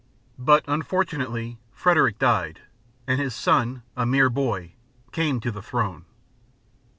But unfortunately Frederick died; and his son, a mere boy, came to the throne.